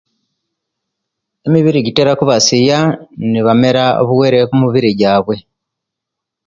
Emibiri jitera kubasiya nibamera ebiwere kumubiri jabwe